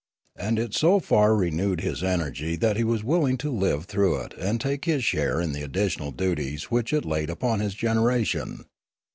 And it so far renewed his energy that he was willing to live through it and take his share in the additional duties which it laid upon his generation.